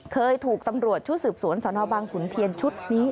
เคยถูกตำรวจชุดสืบสวนสนบางขุนเทียนชุดนี้